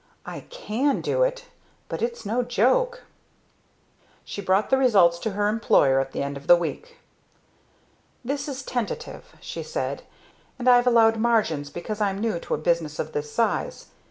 I can do it but it's no joke." She brought the results to her employer at the end of the week. "This is tentative," she said, "and I've allowed margins because I'm new to a business of this size.